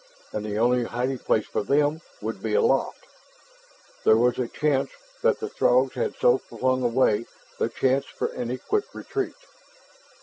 And the only hiding place for them would be aloft. There was a chance that the Throgs had so flung away their chance for any quick retreat.